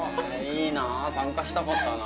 いいな参加したかったな。